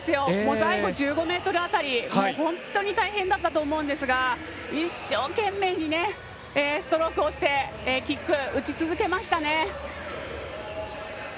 最後、１５ｍ辺り本当に大変だったと思うんですが一生懸命にストロークをしてキック、打ち続けましたね。